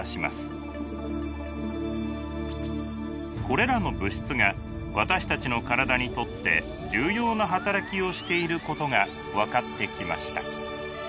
これらの物質が私たちの体にとって重要な働きをしていることが分かってきました。